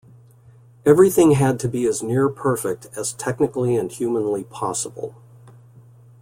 Everything had to be as near perfect as technically and humanly possible.